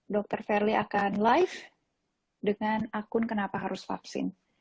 dr verly akan live dengan akun kenapa harus vaksin